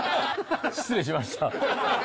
失礼しました。